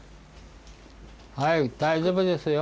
はい大丈夫ですよ。